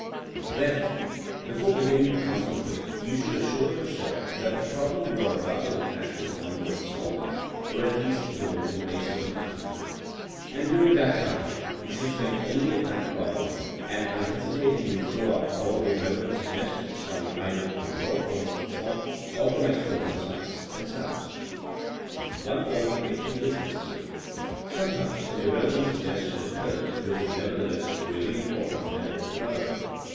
Therefore before beginning to concentrate you should assure yourself that the problem you are about to attack is one worth solving, or at least devoting a certain time to. And during that time you should think only of that problem, and unhesitatingly throw out all irrelevant sug gestions coming either from your course of thought or from external sights and sounds. THINKINa AS A 80IEN0E 77 One qualificjation is necessary. Sometimes an irrelevant suggestion occurs which is never theless really important and worth developing.